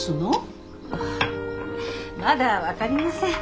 まだ分かりません。